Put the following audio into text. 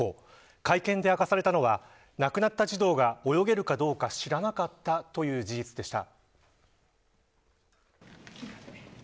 会見で明かされたのは亡くなった児童が泳げるかどうか知らなかったという事実でした。